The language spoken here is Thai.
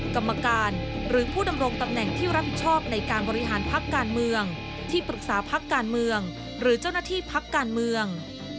กรรมการหรือผู้ดำรงตำแหน่งที่รับผิดชอบในการบริหารพักการเมืองที่ปรึกษาพักการเมืองหรือเจ้าหน้าที่พักการเมือง